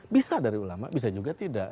bisa dari ulama bisa juga tidak